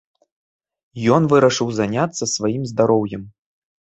Ён вырашыў заняцца сваім здароўем.